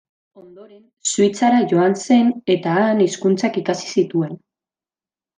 Ondoren Suitzara joan zen eta han hizkuntzak ikasi zituen.